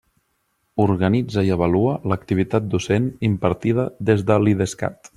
Organitza i avalua l'activitat docent impartida des de l'Idescat.